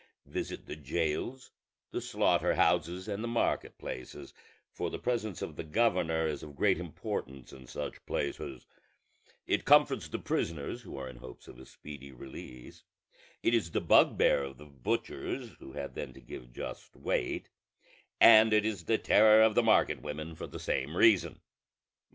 Visit the jails, the slaughter houses, and the market places; for the presence of the governor is of great importance in such places: it comforts the prisoners who are in hopes of a speedy release; it is the bugbear of the butchers, who have then to give just weight; and it is the terror of the market women for the same reason.